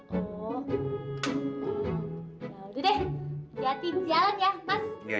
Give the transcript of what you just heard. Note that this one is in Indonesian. lalu deh hati hati jalan ya mas